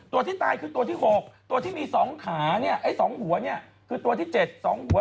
ตัวที่ตายคือตัวที่๖ตัวที่มีสองขานี่สองหัว